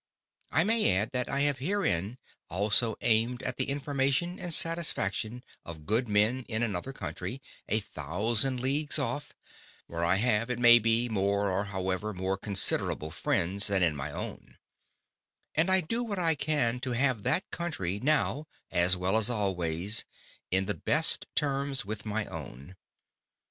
I may add, that I have herein also aimed at the Information and Satisfaction of Good Men in another Country, a thousand Leagues off, where I have, it may be, more, or however, more considerable Friends, than in my own: And I do what I can to have that Country, now, as well as always, in the best Terms with my own.